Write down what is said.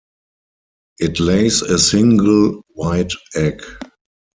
It lays a single white egg.